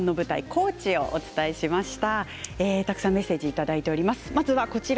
高知をお伝えしました。